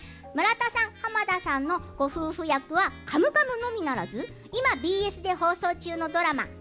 村田さん濱田さんのご夫婦役は「カムカム」のみならず今ＢＳで放送中のドラマ